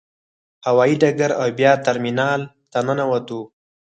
هوايي ډګر او بیا ترمینال ته ننوتو.